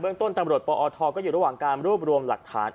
ต้นตำรวจปอทก็อยู่ระหว่างการรวบรวมหลักฐาน